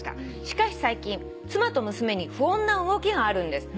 「しかし最近妻と娘に不穏な動きがあるんです」